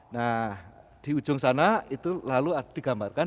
nah di ujung sana itu lalu digambarkan